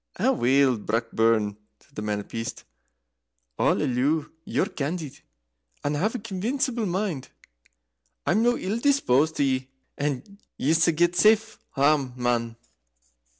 "Aweel, Brockburn," said the Man of Peace, "I'll alloo ye're candid, and have a convincible mind. I'm no ill disposit to ye, and yese get safe hame, man."